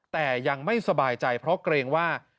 แต่ยังไม่สบายใจเพราะเกรงว่า